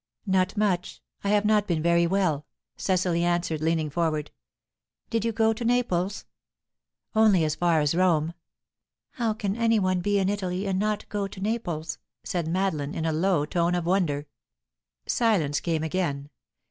"Not much. I have not been very well," Cecily answered, leaning forward. "Did you go to Naples?" "Only as far as Rome." "How can any one be in Italy, and not go to Naples?" said Madeline, in a low tone of wonder. Silence came again.